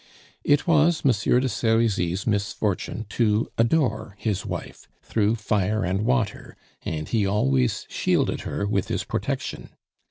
It was Monsieur de Serizy's misfortune to adore his wife "through fire and water," and he always shielded her with his protection.